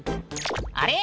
あれ？